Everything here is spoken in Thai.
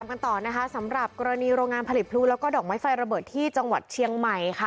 กันต่อนะคะสำหรับกรณีโรงงานผลิตพลูแล้วก็ดอกไม้ไฟระเบิดที่จังหวัดเชียงใหม่ค่ะ